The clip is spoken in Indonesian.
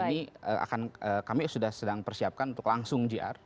ini akan kami sudah sedang persiapkan untuk langsung gr